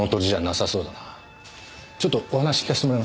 ちょっとお話聞かせてもらえますか？